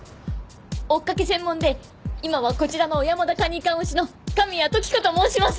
追っかけ専門で今はこちらの小山田管理官推しの神谷時子と申します。